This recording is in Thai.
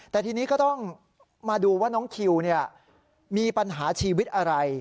แต่ทีนี้ก็ต้องมาดูว่าน้องคิวมีปัญหาชีวิตอะไร